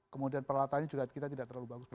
kemudian peralatannya juga kita tidak terlalu bagus